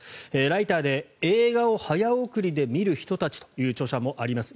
ライターで「映画を早送りで観る人たち」という著書もあります